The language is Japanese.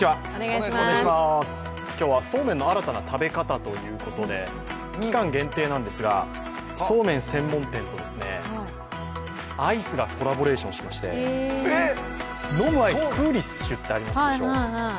今日はそうめんの新たな食べ方ということで、期間限定なんですがそうめん専門店とアイスがコラボレーションしまして、飲むアイス、クーリッシュっていうのありますでしょう。